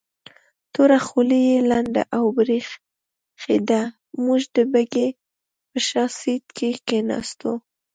توره خولۍ یې لنده او برېښېده، موږ د بګۍ په شا سیټ کې کېناستو.